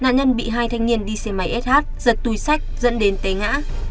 nạn nhân bị hai thanh niên đi xe máy sh giật túi sách dẫn đến tê ngã